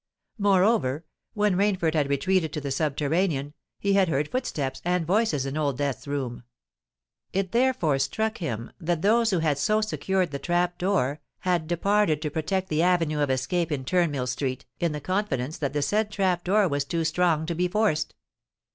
Moreover, when Rainford had retreated to the subterranean, he had heard footsteps and voices in Old Death's room. It therefore struck him that those who had so secured the trap door, had departed to protect the avenue of escape in Turnmill Street, in the confidence that the said trap door was too strong to be forced.